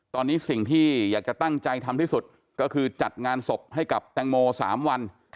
ตอนนี้สิ่งที่อยากจะตั้งใจทำที่สุดก็คือจัดงานศพให้กับแตงโม๓วัน